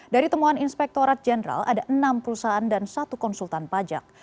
dari temuan inspektorat jenderal ada enam perusahaan dan satu konsultan pajak